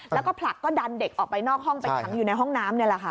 แล้วก็ผลักก็ดันเด็กออกไปนอกห้องไปขังอยู่ในห้องน้ำนี่แหละค่ะ